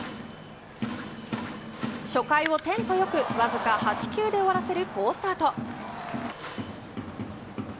初回をテンポよくわずか８球で終わらせる好スタート。